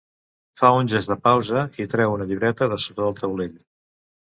Fa un gest de pausa i treu una llibreta de sota del taulell.